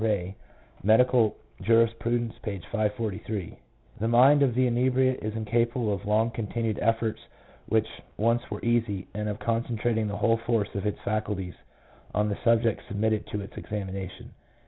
Ray, Medical Jtirisprtidence, p. 543: — "The mind of the inebriate is incapable of the long continued efforts which once were easy, and of concentrating the whole force of its faculties on the subject submitted to its examination."